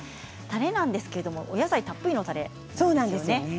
たれなんですがお野菜たっぷりのたれなんですね。